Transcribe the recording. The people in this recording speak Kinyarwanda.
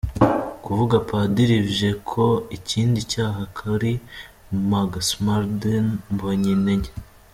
Kuvuga Padiri Vjecko: ikindi cyaha kuri Mgr Smaragde Mbonyintege